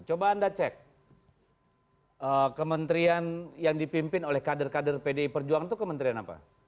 coba anda cek kementerian yang dipimpin oleh kader kader pdi perjuangan itu kementerian apa